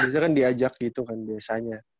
reza kan diajak gitu kan biasanya